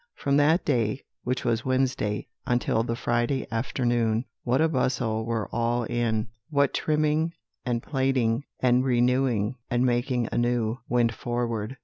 "From that day, which was Wednesday, until the Friday afternoon, what a bustle were all in; what trimming, and plaiting, and renewing, and making anew, went forward!